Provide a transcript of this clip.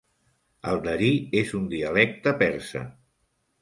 El darí és un dialecte persa.